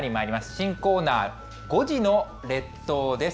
新コーナー、５時の列島です。